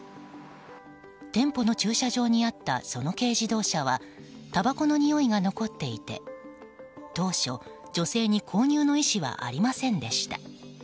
店舗の駐車場にあったその軽自動車はたばこのにおいが残っていて当初、女性に購入の意思はありませんでした。